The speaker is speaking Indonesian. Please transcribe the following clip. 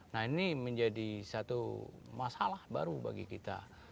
nah ini menjadi satu masalah baru bagi kita